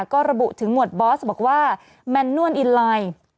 ก็ระบุถึงหวดบอสบอกว่าแมนนวลอินไลน์